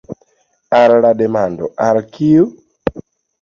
Al la demando „al kiu?